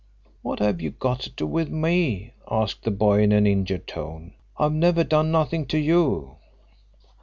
"What have you got to do with me?" asked the boy in an injured tone. "I've never done nothing to you."